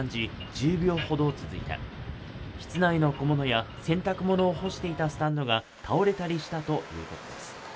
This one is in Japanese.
１０秒ほど続いた室内の小物や洗濯物を干していたスタンドが倒れたりしたということです